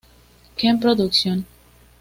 Ken Production